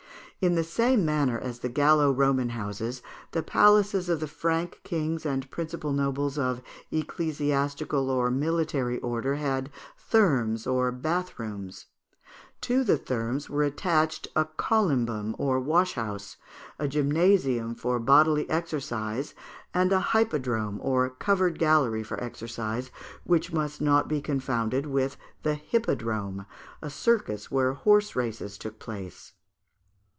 In the same manner as the Gallo Roman houses, the palaces of the Frank kings and principal nobles of ecclesiastical or military order had thermes, or bath rooms: to the thermes were attached a colymbum, or washhouse, a gymnasium for bodily exercise, and a hypodrome, or covered gallery for exercise, which must not be confounded with the hippodrome, a circus where horse races took place.